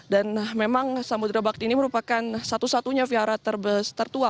dan memang samudera bakti ini merupakan satu satunya wihara tertua